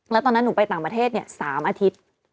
แล้วตอนนั้นหนูไปต่างประเทศ๓อาทิตย์